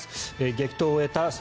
激闘を終えた侍